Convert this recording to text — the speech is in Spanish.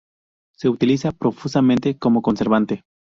Se utiliza profusamente como conservante.